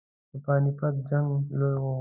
د پاني پټ جنګ لوی وو.